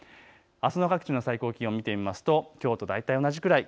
あすの各地の最高気温を見てみますと、きょうと大体同じくらい。